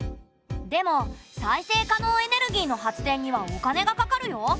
でも再生可能エネルギーの発電にはお金がかかるよ。